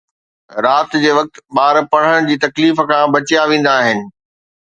رات جي وقت، ٻار پڙهڻ جي تڪليف کان بچيا ويندا آهن